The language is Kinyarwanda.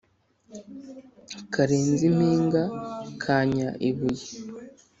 Karenze impinga kannya ibuye.